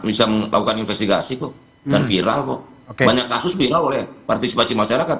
bisa melakukan investigasi kok dan viral kok banyak kasus viral oleh partisipasi masyarakat